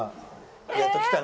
やっと来たね